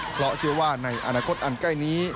เพราะเชื่อว่าในอนาคตอันใกล้นี้